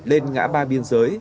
lên ngã ba biên giới